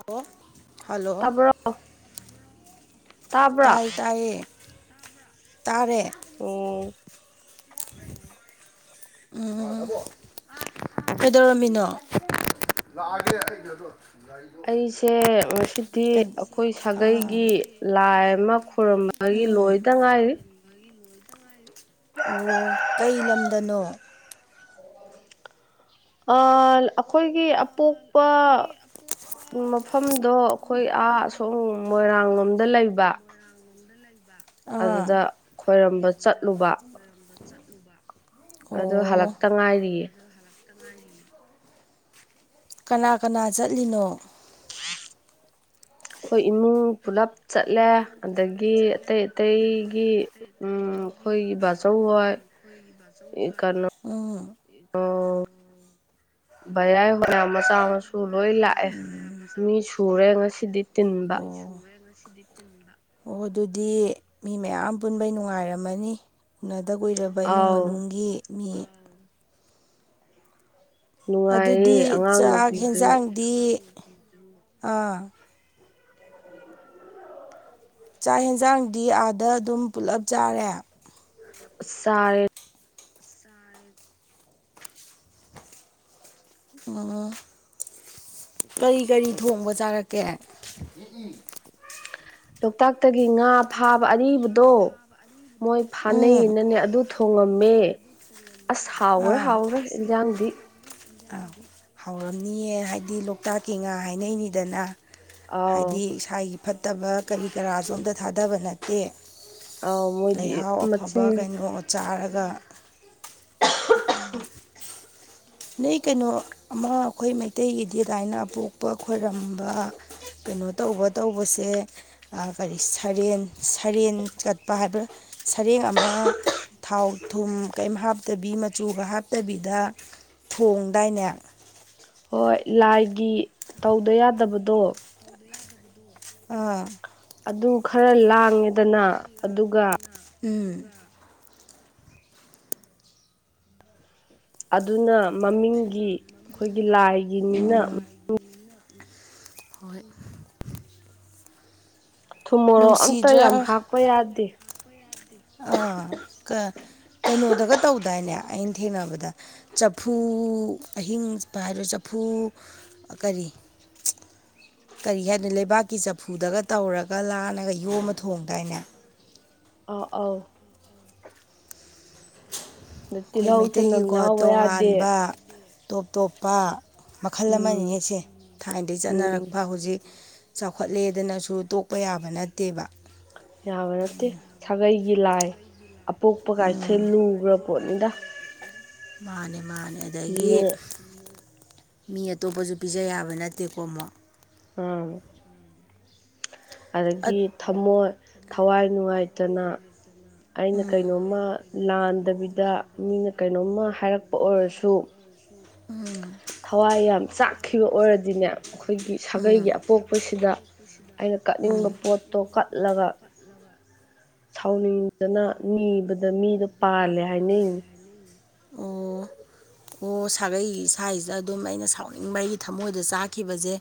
hello hello ꯇꯕ ꯇꯥꯏ ꯇꯥꯏꯌꯦ ꯇꯥꯔꯦ ꯎꯝ ꯎꯝ ꯀꯩꯗꯧꯔꯝꯃꯤꯅꯣꯑꯒ ꯑꯩꯁꯦ ꯉꯁꯤꯗꯤ ꯑꯩꯈꯣꯏ ꯑꯥ ꯁꯥꯒꯩꯒꯤ ꯂꯥꯏ ꯑꯃ ꯈꯨꯔꯨꯝꯝꯕ ꯃꯥꯒꯤ ꯂꯣꯏꯗ ꯉꯥꯏꯔꯤ ꯑꯣ ꯀꯩ ꯂꯝꯗꯅꯣ ꯑꯩꯈꯣꯏꯒꯤ ꯑꯄꯣꯛꯄ ꯃꯐꯝꯗꯣ ꯑꯩꯈꯣꯏ ꯑꯥꯁꯨꯝ ꯃꯣꯏꯔꯥꯡ ꯂꯣꯝꯗ ꯂꯩꯕ ꯑꯥ ꯑꯗꯨꯗ ꯈꯣꯏꯔꯝꯕ ꯆꯠꯂꯨꯕ ꯑꯣ ꯍꯜꯂꯛꯇ ꯉꯥꯏꯔꯤꯌꯦ ꯀꯅꯥ ꯀꯅꯥ ꯆꯠꯂꯤꯅꯣ ꯑꯩꯈꯣꯏ ꯏꯃꯨꯡ ꯄꯨꯂꯞ ꯆꯠꯂꯦ ꯑꯗꯒꯤ ꯑꯇꯩ ꯑꯇꯩꯒꯤ ꯎꯝ ꯍꯣꯏ ꯖꯔꯧ ꯍ ꯑ ꯀꯩꯅꯣ ꯚꯌꯥꯏ ꯍꯣꯅ ꯃꯆꯥ ꯃꯁꯨ ꯂꯣꯏ ꯂꯥꯛꯑꯦ ꯃꯤ ꯁꯨꯔꯦ ꯉꯁꯤꯗꯤ ꯇꯤꯟꯕ ꯑꯣ ꯑꯗꯨꯗꯤ ꯃꯤ ꯃꯌꯥꯝ ꯄꯨꯟꯕꯩ ꯅꯨꯡꯉꯥꯏꯔꯝꯃꯅꯤ ꯎꯅꯗ ꯀꯨꯏꯔꯕ ꯏꯃꯨꯡ ꯑꯥꯎ ꯃꯅꯨꯡꯒꯤ ꯃꯤ ꯑꯗꯨꯗꯤ ꯅꯨꯡꯉꯥꯏꯔꯦ ꯑꯉꯥꯡ ꯆꯥꯛ ꯅꯨꯄꯤꯗꯨ ꯌꯦꯟꯖꯥꯡꯗꯤ ꯑꯥ ꯆꯥꯛ ꯌꯦꯟꯁꯥꯡꯗꯤ ꯑꯥꯗ ꯑꯗꯨꯝ ꯄꯨꯜꯂꯞ ꯆꯥꯔꯦ ꯁꯔꯦ ꯎꯝ ꯀꯔꯤ ꯀꯔꯤ ꯊꯣꯡꯕ ꯆꯥꯔꯛꯀꯦ ꯎꯝ ꯎꯝ ꯂꯣꯛꯇꯥꯛꯇꯒꯤ ꯉꯥ ꯐꯥꯕ ꯑꯔꯤꯕꯗꯣ ꯃꯣꯏ ꯎꯝ ꯐꯥꯅꯩꯅꯅꯦ ꯑꯗꯨ ꯊꯣꯡꯉꯝꯃꯦ ꯑꯁ ꯍꯥꯎꯈ꯭ꯔꯦ ꯑꯥ ꯍꯥꯎꯔꯦ ꯌꯦꯟꯖꯥꯡꯗꯤ ꯍꯥꯎꯔꯝꯅꯤꯌꯦ ꯍꯥꯏꯗꯤ ꯂꯣꯛꯇꯥꯛꯀꯤ ꯉꯥ ꯍꯥꯏꯅꯩꯅꯤꯗꯅ ꯍꯥꯏꯗꯤ ꯑꯥꯎ ꯏꯁꯥꯒꯤ ꯐꯠꯇꯕ ꯀꯔꯤ ꯀꯔꯥꯁꯨ ꯑꯝꯇ ꯊꯥꯗꯕ ꯅꯠꯇꯦ ꯑꯥꯎ ꯃꯣꯏꯗꯤ ꯂꯩꯍꯥꯎ ꯑꯐꯕ ꯃꯆꯤꯟ ꯀꯩꯅꯣ ꯆꯥꯔꯒ ꯎꯝ ꯅꯩ ꯀꯩꯅꯣ ꯑꯃ ꯑꯩꯈꯣꯏ ꯃꯩꯇꯩꯒꯤꯗꯤ ꯂꯥꯏꯅ ꯄꯣꯛꯄ ꯈꯣꯏꯔꯝꯕ ꯀꯩꯅꯣ ꯇꯧꯕ ꯇꯧꯕꯁꯦ ꯀꯔꯤ ꯁꯔꯦꯡ ꯁꯔꯦꯡ ꯀꯠꯄ ꯍꯥꯏꯕ ꯁꯔꯦꯡ ꯑꯃ ꯊꯥꯎ ꯊꯨꯝ ꯀꯔꯤꯝ ꯍꯥꯞꯇꯕꯤ ꯃꯆꯨꯒ ꯍꯥꯞꯇꯕꯤꯗ ꯊꯣꯡꯗꯥꯏꯅꯦ ꯍꯣꯏ ꯂꯥꯏꯒꯤ ꯇꯧꯗ ꯌꯥꯗꯕꯗꯣ [unintelligible] ꯑꯥ ꯑꯗꯨ ꯈꯔ ꯂꯥꯡꯉꯦꯗꯅ ꯑꯗꯨꯒ ꯎꯝ ꯑꯗꯨꯅ ꯃꯃꯤꯡꯒꯤ ꯑꯩꯈꯣꯏꯒꯤ ꯂꯥꯏꯒꯤꯅꯤꯅ ꯍꯣꯏ ꯊꯨꯝꯃꯣꯔꯣꯛ ꯑꯝꯇ ꯌꯥꯝ ꯍꯥꯞꯄ ꯌꯥꯗꯦ ꯑꯥ ꯀꯩꯅꯣꯗꯒ ꯇꯧꯗꯥꯏꯅꯦ ꯑꯩꯅ ꯊꯦꯡꯅꯕꯗ ꯆꯐꯨ ꯑꯍꯤꯡꯕ ꯍꯥꯏꯕ꯭ꯔ ꯆꯐꯨ ꯀꯔꯤ ꯀꯔꯤ ꯍꯥꯏꯅꯣ ꯂꯩꯕꯥꯛꯀꯤ ꯆꯐꯨꯗꯒ ꯇꯧꯔꯒ ꯂꯥꯟꯅꯒ ꯌꯣꯝꯃ ꯊꯣꯡꯗꯥꯏꯅꯦ ꯑ ꯑꯥꯎ ꯑꯗ ꯑꯩꯈꯣꯏ ꯇꯤꯜꯍꯧ ꯆꯅꯝ ꯃꯩꯇꯩꯒꯤꯀꯣ ꯌꯥꯎꯕ ꯌꯥꯗꯦ ꯇꯣꯉꯥꯟꯕ ꯇꯣꯞ ꯇꯣꯞꯄ ꯃꯈꯜ ꯎꯝ ꯑꯃꯅꯤꯅꯦꯁꯦ ꯊꯥꯏꯅꯗꯒꯤ ꯎꯝ ꯆꯠꯅꯔꯛꯄ ꯍꯧꯖꯤꯛ ꯆꯥꯎꯈꯠꯂꯦꯗꯅꯁꯨ ꯇꯣꯛꯄ ꯌꯥꯕ ꯅꯠꯇꯦꯕ ꯌꯥꯕ ꯅꯠꯇꯦ ꯁꯥꯒꯩꯒꯤ ꯂꯥꯏ ꯑꯄꯣꯛꯄ ꯀꯥꯏꯁꯦ ꯎꯝ ꯂꯨꯈ꯭ꯔ ꯄꯣꯠꯅꯤꯗ ꯃꯥꯅꯦ ꯃꯥꯅꯦ ꯑꯗꯒꯤ ꯃꯤ ꯑꯇꯣꯞꯄꯁꯨ ꯄꯤꯖ ꯌꯥꯕ ꯅꯠꯇꯦꯀꯣ ꯑꯃꯛ ꯎꯝ ꯑꯗꯒꯤ ꯊꯃꯣꯏ ꯊꯋꯥꯏ ꯅꯨꯡꯉꯥꯏꯇꯅ ꯑꯩꯅ ꯎꯝ ꯀꯩꯅꯣꯝꯃ ꯂꯥꯟꯗꯕꯤꯗ ꯃꯤꯅ ꯀꯩꯅꯣꯝꯃ ꯍꯥꯏꯔꯛꯄ ꯑꯣꯏꯔꯁꯨ ꯎꯝ ꯊꯋꯥꯏ ꯌꯥꯝ ꯆꯥꯛꯈꯤꯕ ꯑꯣꯏꯔꯗꯤꯅꯦ ꯑꯩꯈꯣꯏꯒꯤ ꯁꯥꯒꯩꯒꯤ ꯎꯝ ꯑꯄꯣꯛꯄꯁꯤꯗ ꯑꯩꯅ ꯎꯝ ꯀꯠꯅꯤꯡꯕ ꯄꯣꯠꯇꯣ ꯀꯠꯂꯒ [unintelligible] ꯁꯥꯎꯅꯤꯡꯗꯅ ꯅꯤꯕꯗ ꯃꯤꯗꯣ ꯄꯥꯜꯂꯦ ꯍꯥꯏꯅꯩꯅꯦ ꯑꯣ ꯑꯣ ꯁꯥꯒꯩ ꯏꯁꯥꯁꯤꯗ ꯑꯗꯨꯝ ꯑꯩꯅ ꯁꯥꯎꯅꯤꯡꯕꯒꯤ ꯊꯃꯣꯏꯗ ꯆꯥꯈꯤꯕꯁꯦ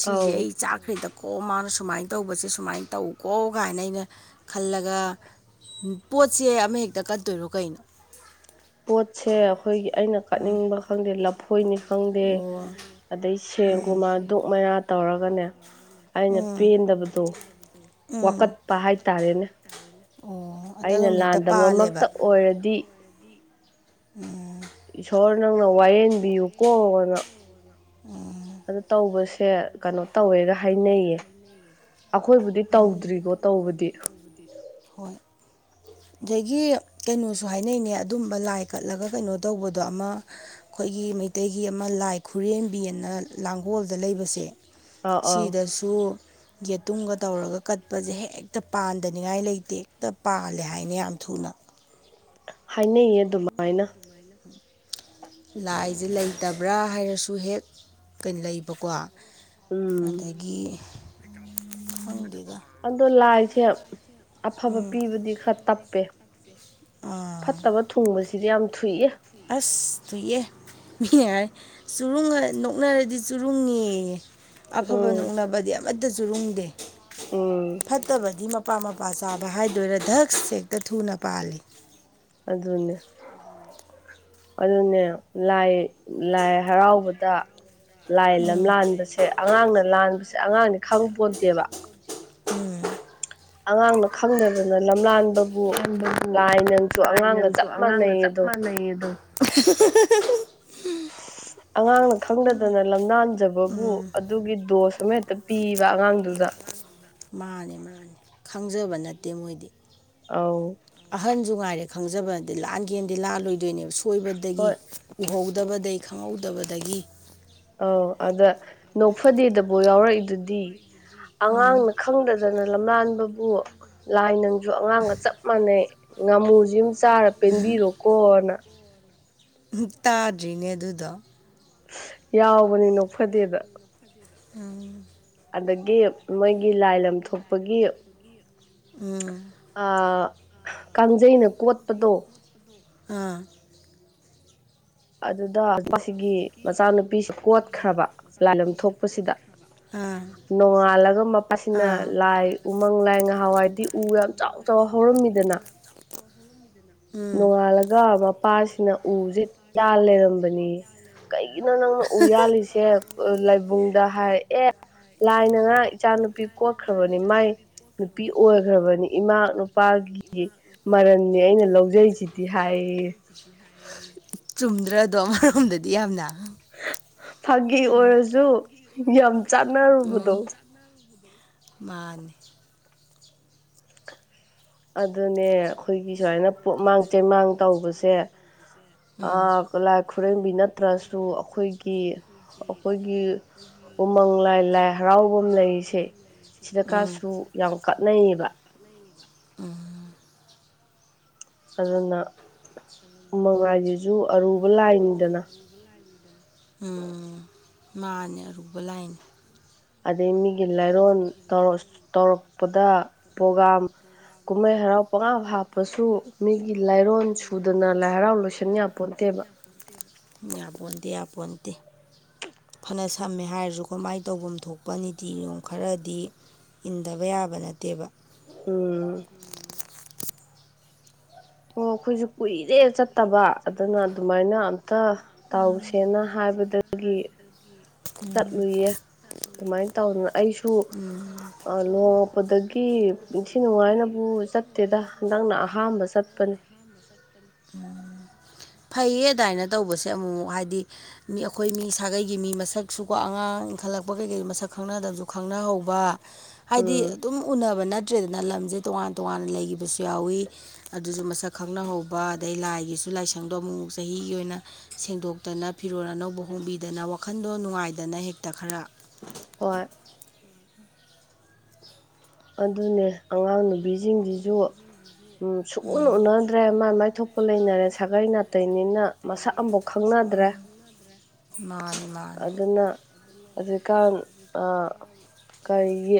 ꯁꯤꯁꯦ ꯑꯧ ꯑꯩ ꯆꯥꯛꯈ꯭ꯔꯦꯗ ꯀꯣ ꯃꯥꯅ ꯁꯨꯃꯥꯏꯅ ꯇꯧꯕꯁꯦ ꯁꯨꯃꯥꯏꯅ ꯇꯧꯀꯣ ꯀꯥꯏꯅ ꯑꯩꯅ ꯈꯜꯂꯒ ꯄꯣꯠꯁꯦ ꯑꯃꯍꯦꯛꯇ ꯀꯠꯇꯣꯏꯔꯣ ꯀꯩꯅꯣ ꯄꯣꯠꯁꯦ ꯑꯩꯈꯣꯏꯒꯤ ꯑꯩꯅ ꯀꯠꯅꯤꯡꯕ ꯈꯪꯗꯦ ꯂꯐꯣꯏꯅꯤ ꯈꯪꯗꯦ ꯑꯣ ꯑꯗꯩ ꯎꯝ ꯁꯦꯡꯒꯨꯝꯕ ꯗꯨꯛ ꯃꯩꯔꯥ ꯇꯧꯔꯒꯅꯦ ꯑꯩꯅ ꯎꯝ ꯄꯦꯟꯗꯕꯗꯣ ꯎꯝ ꯋꯥꯀꯠꯄ ꯍꯥꯏꯇꯥꯔꯦꯅꯦ ꯑꯣ ꯑꯗ ꯑꯩꯅ ꯑꯗꯨꯝ ꯍꯦꯛꯇ ꯄꯥꯜꯂꯦꯕ ꯂꯥꯟꯗꯝꯃꯛꯇ ꯑꯣꯏꯔꯗꯤ ꯎꯝ ꯏꯁꯣꯔ ꯅꯪꯅ ꯋꯥꯌꯦꯟꯕꯤꯌꯨꯀꯣꯅ ꯎꯝ ꯑꯗ ꯇꯧꯕꯁꯦ ꯀꯩꯅꯣ ꯇꯧꯋꯦꯒ ꯍꯥꯏꯅꯩꯌꯦ ꯑꯩꯈꯣꯏꯕꯨꯗꯤ ꯇꯧꯗ꯭ꯔꯤꯀꯣ ꯇꯧꯕꯗꯤ [unintelligible] ꯑꯗꯒꯤ ꯀꯩꯅꯣꯁꯨ ꯍꯥꯏꯅꯩꯅꯦ ꯑꯗꯨꯝꯕ ꯂꯥꯏ ꯀꯠꯂꯒ ꯀꯩꯅꯣ ꯇꯧꯕꯗꯣ ꯑꯃ ꯑꯩꯈꯣꯏꯒꯤ ꯃꯩꯇꯩꯒꯤ ꯑꯃ ꯂꯥꯏ ꯈꯨꯔꯦꯝꯕꯤ ꯑꯅ ꯂꯥꯡꯒꯣꯜꯗ ꯂꯩꯕꯁꯦ ꯑꯥ ꯑꯥ ꯁꯤꯗꯁꯨ ꯌꯦꯇꯨꯝꯒ ꯇꯧꯔꯒ ꯀꯠꯄꯁꯦ ꯍꯦꯛꯇ ꯄꯥꯟꯗꯅꯤꯡꯉꯥꯏ ꯂꯩꯇꯦ ꯍꯦꯛꯇ ꯄꯥꯜꯂꯦ ꯍꯥꯏꯅ ꯌꯥꯝ ꯊꯨꯅ ꯍꯥꯏꯅꯩꯌꯦ ꯑꯗꯨꯃꯥꯏꯅ ꯂꯥꯏꯁꯦ ꯂꯩꯇꯕ꯭ꯔꯥ ꯍꯥꯏꯔꯁꯨ ꯍꯦꯛ ꯀꯩ ꯂꯩꯕꯀꯣ ꯎꯝ ꯑꯗꯒꯤ ꯈꯪꯗꯦꯗ ꯑꯗꯣ ꯂꯥꯏꯁꯦ ꯑꯐꯕ ꯎꯝ ꯄꯤꯕꯗꯤ ꯈꯔ ꯇꯞꯄꯦ ꯑꯥ ꯐꯠꯇꯕ ꯊꯨꯡꯕꯁꯤꯗꯤ ꯌꯥꯝ ꯊꯨꯏꯑꯦ ꯑꯁ ꯊꯨꯏꯌꯦ ꯃꯤꯅꯦ ꯍꯥꯏꯔ ꯆꯨꯔꯨꯡ ꯅꯣꯛꯅꯔꯗꯤ ꯆꯨꯔꯨꯡꯉ‌ꯦ ꯑꯐꯕ ꯎꯝ ꯅꯣꯛꯅꯕꯗꯤ ꯑꯃꯠꯇ ꯆꯨꯔꯨꯡꯗꯦ ꯎꯝ ꯐꯠꯇꯕꯗꯤ ꯃꯄꯥ ꯃꯄꯥ ꯆꯥꯕ ꯍꯥꯏꯗꯣꯏꯔꯥ ꯙꯛꯁ ꯍ‌ꯦꯛꯇ ꯊꯨꯅ ꯄꯥꯜꯂꯤ ꯑꯗꯨꯅ‌ꯦ ꯑꯗꯨꯅꯦ ꯂꯥꯏ ꯂꯥꯏ ꯍꯔꯥꯎꯕꯗ ꯂꯥꯏ ꯎꯝ ꯂꯥꯝꯂꯥꯟꯕꯁꯦ ꯑꯉꯥꯡꯅ ꯂꯥꯟꯕꯁꯦ ꯑꯉꯥꯡꯗꯤ ꯈꯪ ꯄꯣꯟꯠꯇꯦꯕ ꯎꯝ ꯑꯉꯥꯡꯅ ꯈꯪꯗꯗꯅ ꯂꯝꯂꯥꯟꯕ ꯂꯟꯕꯕꯨ ꯂꯥꯏ ꯅꯪꯁꯨ ꯆꯞ ꯑꯉꯥꯡꯒ ꯃꯥꯟꯅꯩ ꯆꯞ ꯑꯗꯣ ꯃꯥꯟꯅꯩꯌꯦꯗꯣ ꯎꯝ ꯑꯉꯥꯡꯅ ꯈꯪꯗꯗꯅ ꯂꯝꯅꯥꯟꯖꯕꯕꯨ ꯎꯝ ꯑꯗꯨꯒꯤ ꯗꯣꯁ ꯑꯃ ꯍꯦꯛꯇ ꯄꯤꯌ‌ꯦꯕ ꯑꯉꯥꯡꯗꯨꯗ ꯃꯥꯅꯦ ꯃꯥꯅꯦ ꯈꯪꯖꯕ ꯅꯠꯇꯦ ꯃꯣꯏꯗꯤ ꯑꯥꯎ ꯑꯍꯟꯁꯨ ꯉꯥꯏꯔꯦ ꯈꯪꯖꯕꯅꯗ‌ꯦ ꯂꯥꯟꯒꯦꯟꯗꯤ ꯂꯥꯜꯂꯣꯏꯗꯣꯏꯅꯦꯕ ꯁꯣꯏꯕꯗꯒꯤ ꯍꯣꯏ ꯎꯍꯧꯗꯕꯗꯒꯤ ꯈꯪꯍꯧꯗꯕꯗꯒꯤ ꯑꯧ ꯑꯗ ꯅꯣꯛꯐꯗꯦꯗꯕꯨ ꯌꯥꯎꯔꯛꯏꯗꯨꯗꯤ ꯎꯝ ꯑꯉꯥꯡꯅ ꯈꯪꯗꯗꯅ ꯂꯝꯂꯥꯟꯕꯕꯨ ꯂꯥꯏ ꯅꯪꯁꯨ ꯑꯉꯥꯡꯒ ꯆꯞ ꯃꯥꯟꯅꯩ ꯉꯥꯃꯨꯖꯤꯝ ꯆꯥꯔ ꯄꯦꯟꯕꯤꯔꯣꯀꯣꯅ ꯎꯝ ꯇꯥꯗ꯭ꯔꯤꯅꯦ ꯑꯗꯨꯗꯣ ꯌꯥꯎꯕꯅꯤ ꯅ‌ꯣꯛꯐꯗ‌ꯦꯗ ꯑꯝ ꯑꯗꯒꯤ ꯃꯣꯏꯒꯤ ꯂꯥꯏ ꯂꯝ ꯊꯣꯛꯄꯒꯤ ꯒꯤ ꯎꯝ ꯑꯥ ꯀꯥꯡꯖꯩꯅ ꯀꯣꯠꯄꯗꯣ ꯑꯥ ꯑꯗꯨꯗ ꯅꯨꯄꯥꯁꯤꯒꯤ ꯃꯆꯥꯅꯨꯄꯤꯁꯤ ꯀꯣꯠꯈ꯭ꯔꯕ ꯂꯥꯏꯂꯝ ꯊꯣꯛꯄꯁꯤꯗ ꯑꯥ ꯅꯣꯡꯉꯥꯜꯂꯒ ꯃꯄꯥꯁꯤꯅ ꯑꯥ ꯂꯥꯏ ꯎꯃꯪ ꯂꯥꯏ ꯉꯍꯥꯎꯋꯥꯏꯗꯤ ꯎ ꯌꯥꯝ ꯆꯥꯎ ꯆꯥꯎ ꯍꯧꯔꯝꯃꯤꯗꯅ ꯎꯝ ꯅꯣꯡꯉꯥꯜꯂꯒ ꯃꯄꯥꯁꯤꯅ ꯎꯁꯦ ꯌꯥꯜ ꯂꯩꯔꯝꯕꯅꯤ ꯀꯩꯒꯤꯅꯣ ꯅꯪꯅ ꯎ ꯌꯥꯜꯂꯤꯁꯦ ꯂꯥꯏꯕꯨꯡꯗ ꯍꯥꯏ ꯑꯦ ꯂꯥꯏꯅ ꯉꯥꯔꯡ ꯏꯆꯥꯅꯨꯄꯤ ꯀꯣꯛꯠꯈ꯭ꯔꯕꯅꯤ ꯃꯥꯏ ꯅꯨꯄꯤ ꯑꯣꯏꯈ꯭ꯔꯕꯅꯤ ꯏꯃꯥꯛ ꯅꯨꯄꯥꯒꯤ ꯃꯔꯟꯅꯤ ꯑꯩꯅ ꯂꯧꯖ ꯖꯩꯁꯤꯗꯤ ꯍꯥꯏꯌꯦ ꯆꯨꯝꯗ꯭ꯔꯗꯣ ꯑꯃꯔꯣꯝꯗꯗꯤ ꯌꯥꯝꯅ ꯐꯥꯒꯤ ꯑꯣꯏꯔꯁꯨ ꯌꯥꯝ ꯆꯥꯟꯅꯔꯨꯕꯗꯣ ꯎꯝ ꯃꯥꯅꯤ ꯑꯗꯨꯅꯦ ꯑꯩꯈꯣꯏꯒꯤ ꯁꯨꯃꯥꯏꯅ ꯄꯨꯃꯥꯡ ꯆꯩꯃꯥꯡ ꯇꯧꯕꯁꯦ ꯎꯝ ꯂꯥꯏ ꯈꯨꯔꯦꯝꯕꯤ ꯅꯠꯇ꯭ꯔꯁꯨ ꯑꯩꯈꯣꯏꯒꯤ ꯀꯤ ꯑꯩꯈꯣꯏꯒꯤ ꯎꯃꯪ ꯂꯥꯏ ꯂꯥꯏ ꯍꯔꯥꯎꯐꯝ ꯂꯩꯔꯤꯁꯦ ꯎꯝ ꯁꯤꯗꯀꯥꯁꯨ ꯌꯥꯝ ꯀꯥꯠꯅꯩꯌꯦꯕ ꯑꯝ ꯑꯗꯨꯅ ꯎꯃꯪꯂꯥꯏꯁꯤꯁꯨ ꯑꯔꯨꯕ ꯂꯥꯏꯅꯤꯗꯅ ꯎꯝ ꯃꯥꯅꯦ ꯑꯔꯨꯕ ꯂꯥꯏꯅꯦ ꯑꯗꯒꯤ ꯃꯤꯒꯤ ꯂꯥꯏꯔꯣꯟ ꯇꯧꯔꯁ ꯇꯧꯔꯛꯄꯗ ꯄ꯭ꯔꯣꯒꯥꯝ ꯀꯨꯝꯃꯩ ꯍꯔꯥꯎ ꯄꯪꯍꯞ ꯍꯥꯞꯄꯁꯨ ꯃꯤꯒꯤ ꯂꯥꯏꯔꯣꯟ ꯁꯨꯗꯅ ꯂꯥꯏ ꯍꯔꯥꯎ ꯂꯣꯏꯁꯟ ꯌꯥꯄꯣꯠꯇꯦꯕ ꯌꯥꯄꯣꯟꯇꯦ ꯌꯥꯄꯣꯟꯇꯦ ꯐꯅ ꯁꯝꯃꯦ ꯍꯥꯏꯔꯖꯨꯀꯣ ꯃꯥꯏ ꯇꯧꯕꯝ ꯊꯣꯛꯄ ꯅꯤꯇꯤ ꯅꯤꯌꯣꯝ ꯈꯔꯗꯤ ꯏꯟꯗꯕ ꯌꯥꯕ ꯅꯠꯇꯦꯕ ꯎꯝ ꯑꯣ ꯑꯩꯈꯣꯏꯖꯨ ꯀꯨꯏꯔꯦ ꯆꯠꯇꯕ ꯑꯗꯨꯅ ꯑꯗꯨꯃꯥꯏꯅ ꯑꯝꯇ ꯇꯧꯁꯦꯅ ꯍꯥꯏꯕꯗꯒꯤ ꯆꯠꯂꯨꯏꯌꯦ ꯑꯗꯨꯃꯥꯏ ꯇꯧꯗꯅ ꯑꯩꯁꯨ ꯎꯝ ꯑ ꯂꯨꯍꯣꯡꯉꯛꯄꯗꯒꯤ ꯏꯟꯊꯤ ꯅꯨꯡꯉꯥꯏꯅꯕꯨ ꯆꯠꯇꯦꯗ ꯍꯟꯗꯛꯅ ꯑꯍꯥꯝꯕ ꯆꯠꯄꯅꯤ ꯐꯩꯌꯦ ꯑꯗꯥꯏꯅꯦ ꯇꯧꯕꯁꯦ ꯑꯃꯨꯛ ꯑꯃꯨꯛ ꯍꯥꯏꯗꯤ ꯃꯤ ꯑꯩꯈꯣꯏ ꯃꯤ ꯁꯥꯒꯩꯒꯤ ꯃꯤ ꯃꯁꯛꯁꯨꯀꯣ ꯑꯉꯥꯡ ꯏꯟꯈꯠꯂꯛꯄ ꯀꯩꯀꯩ ꯃꯁꯛ ꯈꯪꯅꯗꯕꯖꯨ ꯈꯪꯅꯍꯧꯕ ꯍꯥꯏꯗꯤ ꯎꯝ ꯑꯗꯨꯝ ꯎꯅꯕ ꯅꯠꯇ꯭ꯔꯦꯗꯅ ꯂꯝꯖꯦ ꯇꯣꯉꯥꯟ ꯇꯣꯉꯥꯟꯅ ꯂꯩꯒꯤꯕꯁꯨ ꯌꯥꯎꯋꯤ ꯑꯗꯨꯁꯨ ꯃꯁꯛ ꯈꯪꯅꯍꯧꯕ ꯑꯗꯩ ꯂꯥꯏꯒꯤꯁꯨ ꯂꯥꯏꯁꯪꯗꯣ ꯑꯃꯨꯛꯃꯨꯛ ꯆꯍꯤꯒꯤ ꯑꯣꯏꯅ ꯁꯦꯡꯗꯣꯛꯇꯅ ꯐꯤꯔꯣꯜ ꯑꯅꯧꯕ ꯍꯣꯡꯕꯤꯗꯅ ꯋꯥꯈꯟꯗꯣ ꯅꯨꯡꯉꯥꯏꯗꯅ ꯍꯦꯛꯇ ꯈꯔ ꯍꯣꯏ ꯑꯗꯨꯅꯦ ꯑꯉꯥꯡ ꯅꯨꯨꯕꯤꯖꯤꯡꯖꯤꯖꯨ ꯎꯝ ꯁꯨꯛꯎꯟ ꯎꯅ ꯇ꯭ꯔꯦ ꯃꯥꯥꯏ ꯃꯥꯏ ꯊꯣꯛꯄ ꯂꯩꯅꯔꯦ ꯁꯥꯒꯩ ꯅꯥꯇꯩꯅꯤꯅ ꯃꯁꯛ ꯑꯝꯕꯧ ꯈꯪꯅꯗ꯭ꯔꯦ ꯃꯥꯅꯤ ꯃꯥꯅꯤ ꯑꯗꯨꯅ ꯍꯧꯖꯤꯛꯀꯥꯟ ꯑ ꯀꯔꯤꯒꯤ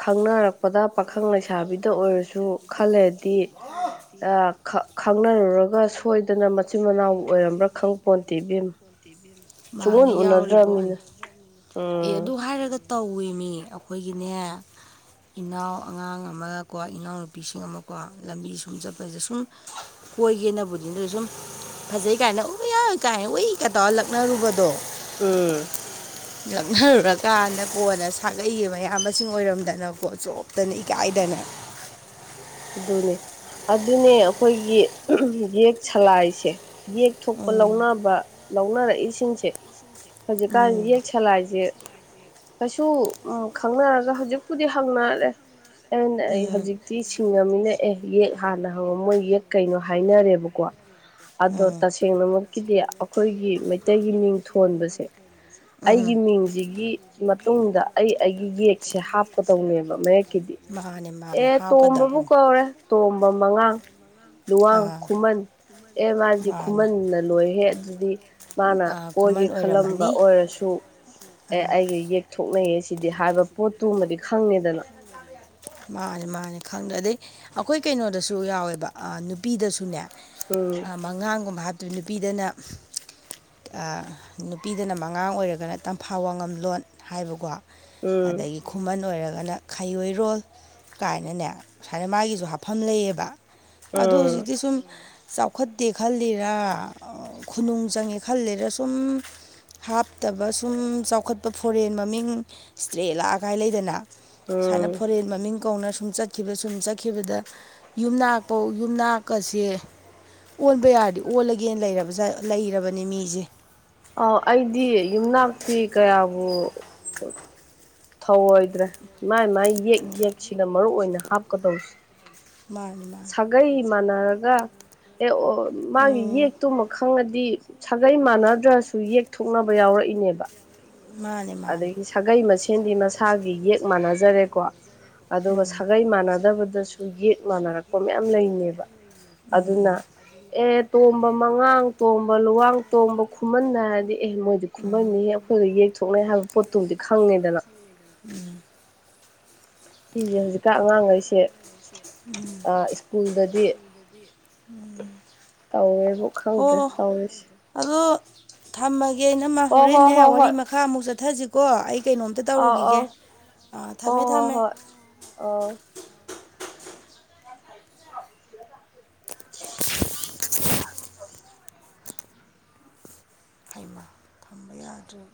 ꯈꯪꯅꯔꯛ ꯄꯗ ꯄꯥꯈꯪ ꯂꯩꯁꯥꯕꯤꯗ ꯑꯣꯏꯔꯁꯨ ꯈꯜ ꯂꯩꯔꯗꯤ ꯑ ꯈ ꯈꯪꯅꯔꯨꯔꯒ ꯁꯣꯏꯗꯅ ꯃꯆꯤꯟ ꯃꯅꯥꯎ ꯑꯣꯏꯔꯝꯕ꯭ꯔꯥ ꯈꯪꯄꯣꯟꯇꯦ ꯏꯕꯦꯝꯃ ꯃꯥꯅꯦ ꯁꯨꯡꯎꯟ ꯌꯥꯎꯔꯤꯄꯣꯠꯅꯤ ꯎꯅꯗ꯭ꯔꯕꯅꯤꯅ ꯑꯦ ꯑꯗꯨ ꯎꯝ ꯍꯥꯏꯔꯒ ꯇꯧꯋꯦꯃꯤ ꯑꯩꯈꯣꯏꯒꯤꯅꯦ ꯏꯅꯥꯎ ꯑꯉꯥꯡ ꯑꯃ ꯀꯣꯏ ꯏꯅꯥꯎꯅꯨꯄꯤꯁꯤꯡ ꯑꯃꯀꯣ ꯂꯝꯕꯤ ꯁꯨꯝ ꯆꯠꯄꯁꯤꯗ ꯁꯨꯝ ꯀꯣꯏꯒꯦꯅꯕꯨꯗꯤ ꯅꯣꯏ ꯁꯨꯝ ꯐꯖꯩ ꯀꯥꯏꯅ ꯎꯏꯌꯥ ꯀꯥꯏ ꯎꯏꯀ ꯇꯧꯔ ꯂꯛꯅꯔꯨꯕꯗꯣ ꯎꯝ [inaudible] ꯂꯛꯅꯔꯨꯔꯀꯥꯟꯗ ꯀꯣꯟꯅ ꯁꯥꯒꯩꯒꯤ ꯃꯌꯥꯝꯕꯁꯤꯡ ꯑꯣꯏꯔꯝꯗꯅꯀꯣ ꯆꯣꯞꯇꯅ ꯏꯀꯥꯏꯗꯅ ꯑꯗꯨꯅꯦ ꯑꯗꯨꯅꯦ ꯑꯩꯈꯣꯏꯒꯤ ꯌꯦꯛ ꯁꯂꯥꯏꯁꯦ ꯌꯦꯛ ꯊꯣꯛꯄ ꯂꯧꯅꯕ ꯂꯧꯅꯔꯛꯏꯁꯤꯡꯁꯦ ꯍꯧꯖꯤꯛꯀꯥꯟ ꯌꯦꯛ ꯁꯂꯥꯏꯖꯦ ꯀꯩꯁꯨ ꯎꯝ ꯈꯪꯅꯔꯒ ꯍꯧꯖꯤꯛꯄꯨꯗꯤ ꯍꯪꯅꯔꯦ ꯑꯩꯅ ꯑꯩ ꯎꯝ ꯍꯧꯖꯤꯛꯇꯤ ꯁꯤꯡꯉꯝꯅꯤꯅ ꯑꯦ ꯌꯦꯛ ꯍꯥꯟꯅ ꯍꯪꯉꫭ ꯃꯣꯏ ꯌꯦꯛ ꯀꯩꯅꯣ ꯍꯥꯏꯅꯔꯦꯕꯀꯣ ꯑꯗꯣ ꯎꯝ ꯇꯁꯦꯡꯅꯃꯛꯀꯤꯗꯤ ꯑꯈꯣꯏꯒꯤ ꯃꯩꯇꯩꯒꯤ ꯃꯤꯡ ꯊꯣꯟꯕꯁꯦ ꯎꯝ ꯑꯩꯒꯤ ꯃꯤꯡꯖꯤꯒꯤ ꯃꯇꯨꯡꯗ ꯑꯩ ꯑꯩꯒꯤ ꯌꯦꯛꯁꯦ ꯍꯥꯞꯀꯗꯧꯅꯦꯕ ꯃꯌꯦꯛ ꯃꯥꯅꯦ ꯃꯥꯅꯦ ꯍꯥꯝꯀꯗꯥꯕ ꯀꯧꯔꯦ ꯇꯣꯝꯕ ꯃꯉꯥꯡ ꯂꯨꯋꯥꯡ ꯑꯥ ꯈꯨꯃꯟ ꯑꯦ ꯃꯥꯖꯤ ꯃꯥꯅꯦ ꯈꯨꯃꯟꯅ ꯂꯣꯏꯍꯦ ꯑꯗꯨꯗꯤ ꯃꯥꯅ ꯑꯥ ꯀꯣꯏꯒꯦ ꯈꯨꯃꯟ ꯈꯜꯂꯝꯕ ꯑꯣꯏꯔꯝꯃꯅꯤ ꯑꯣꯏꯔꯁꯨ ꯑꯦ ꯑꯩꯒ ꯌꯦꯛ ꯊꯣꯛꯅꯩꯌꯦꯁꯤꯗꯤ ꯍꯥꯏꯕ ꯄꯣꯠꯇꯨꯃꯗꯤ ꯈꯪꯉꯦꯗꯅ ꯃꯥꯅꯤ ꯃꯥꯅꯤ ꯈꯪꯗ꯭ꯔ ꯑꯗꯩ ꯑꯩꯈꯣꯏ ꯀꯩꯅꯣꯗꯁꯨ ꯌꯥꯎꯋꯦꯕ ꯑ ꯅꯨꯄꯤꯗꯁꯨꯅꯦ ꯎꯝ ꯃꯉꯥꯡꯒꯨꯝꯕ ꯍꯥꯝꯇꯣꯏ ꯅꯨꯄꯤꯗꯅ ꯑ ꯅꯨꯄꯤꯗꯅ ꯃꯉꯥꯡ ꯑꯣꯏꯔꯒꯅ ꯇꯝꯐꯥ ꯋꯥꯉꯝꯂꯣꯟ ꯍꯥꯏꯕꯀꯣ ꯎꯝ ꯑꯗꯒꯤ ꯈꯨꯃꯟ ꯑꯣꯏꯔꯒꯅ ꯈꯥꯏꯌꯣꯔꯣꯜ ꯀꯥꯏꯅꯅꯦ ꯁꯥꯏꯅ ꯃꯥꯒꯤꯖꯨ ꯍꯥꯞꯐꯝ ꯂꯩꯌꯦꯕ ꯑꯗꯨ ꯎꯝ ꯍꯧꯖꯤꯛꯇꯤ ꯁꯨꯝ ꯆꯥꯎꯈꯠꯇꯦ ꯈꯜꯂꯤꯔꯥ ꯈꯨꯅꯨꯡ ꯆꯪꯉꯦ ꯈꯜꯂꯤꯔꯥ ꯁꯨꯝ ꯍꯥꯞꯇꯕ ꯁꯨꯝ ꯆꯥꯎꯈꯠꯄ ꯐꯣꯔꯦꯟ ꯃꯃꯤꯡ ꯏꯁꯇ꯭ꯔꯦꯂꯥ ꯀꯥꯏ ꯂꯩꯗꯅ ꯎꯝ ꯁꯥꯏꯅ ꯐꯣꯔꯦꯟ ꯃꯃꯤꯡ ꯀꯧꯅ ꯁꯨꯝ ꯆꯠꯈꯤꯕ ꯁꯨꯝ ꯆꯠꯈꯤꯕꯗ ꯌꯨꯝꯅꯥꯛꯄꯧ ꯌꯨꯝꯅꯥꯛꯀꯁꯦ ꯑꯣꯟꯕ ꯌꯥꯔꯗꯤ ꯑꯣꯜꯂꯒꯦꯅ ꯂꯩꯔꯕꯖꯠ ꯂꯩꯔꯕꯅꯤ ꯃꯤꯖꯦ ꯑꯧ ꯑꯩꯗꯤ ꯌꯨꯝꯅꯥꯛꯇꯤ ꯀꯌꯥꯕꯨ ꯊꯧꯑꯣꯏꯗ꯭ꯔꯦ ꯃꯥꯏ ꯃꯥꯏ ꯌꯦꯛ ꯌꯦꯛꯁꯤꯅ ꯃꯔꯨ ꯑꯣꯏꯅ ꯍꯥꯞꯀꯗꯧꯁꯤ ꯃꯥꯅꯤ ꯃꯥꯅꯤ ꯒꯩ ꯃꯥꯟꯅꯔꯒ ꯑꯦ ꯑꫭ ꯃꯥꯒꯤ ꯎꯝ ꯌꯦꯛꯇꯨꯃ ꯈꯪꯉꯗꯤ ꯁꯥꯒꯩ ꯃꯥꯟꯅꯗ꯭ꯔꯁꯨ ꯌꯦꯛꯊꯣꯛꯅꯕ ꯌꯥꯎꯔꯛꯏꯅꯦꯕ ꯃꯥꯅꯦ ꯃꯥꯅꯦ ꯑꯗꯒꯤ ꯁꯥꯒꯩ ꯃꯁꯦꯟꯗꯤ ꯃꯁꯥꯒꯤ ꯌꯦꯛ ꯃꯥꯟꯅꯖꯔꯦꯀꯣ ꯑꯗꯨꯒ ꯁꯥꯒꯩ ꯃꯥꯟꯅꯗꯕꯗꯁꯨ ꯌꯦꯛ ꯃꯥꯟꯅꯔꯛꯄ ꯃꯌꯥꯝ ꯂꯩꯔꯤꯅꯦꯕ ꯑꯗꯨꯅ ꯑꯦ ꯇꯣꯝꯕ ꯃꯪꯉꯥꯡ ꯇꯣꯝꯕ ꯂꯨꯋꯥꯡ ꯇꯣꯝꯕ ꯈꯨꯃꯟꯅ ꯍꯥꯏꯔꯗꯤ ꯑꯦ ꯃꯣꯏꯗꯤ ꯈꯨꯃꯟ ꯅꯤꯍꯦ ꯑꯩꯈꯣꯏꯗ ꯌꯦꯛꯊꯣꯛꯅꯩ ꯍꯥꯏꯕ ꯄꯣꯠꯇꯨꯝꯗꯤ ꯑꯣ ꯈꯪꯉꯦꯗꯅ ꯇꯗꯤꯁ ꯂꯩꯒ [unintelligible] ꯁꯤꯖꯦ ꯍꯧꯖꯤꯛꯀꯥꯟ ꯑꯉꯥꯡꯒꯩꯁꯦ ꯑ ꯏꯁ꯭ꯀꯨꯜꯗꯗꯤ ꯇꯧꯋꯦꯕꯨ ꯈꯪꯗ꯭ꯔꯦ ꯇꯧꯔꯤꯁꯦ ꯑꯗꯨ ꯊꯝꯃꯒꯦ ꯏꯅꯝꯃꯥ ꯍꯣ ꯍꯣ ꯍꯣꯔꯦꯟꯅꯦ ꯍꯣ ꯍꯣꯏ ꯋꯥꯔꯤ ꯃꯈꯥ ꯑꯃꯨꯛ ꯆꯠꯊꯖꯤꯀꯣ ꯑꯩ ꯀꯩꯅꯣꯝꯇ ꯑꯥꯎ ꯇꯧꯔꯨꯒꯤꯒꯦ ꯑꯥꯎ ꯑꯥ ꯊꯝꯃꯦ ꯊꯝꯃꯦ ꯑꯧ [inaudible] ꯍꯩꯃꯥ ꯊꯝꯕ ꯌꯥꯗ꯭ꯔꯦ